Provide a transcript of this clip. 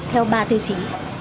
theo ba tiêu chí